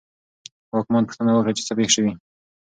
واکمن پوښتنه وکړه چې څه پېښ شوي.